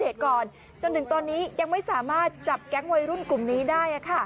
ก่อนจนถึงตอนนี้ยังไม่สามารถจับแก๊งวัยรุ่นกลุ่มนี้ได้